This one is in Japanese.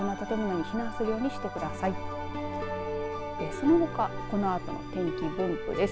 そのほかこのあと天気分布です。